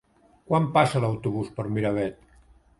Quan passa l'autobús per Miravet?